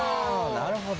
なるほど。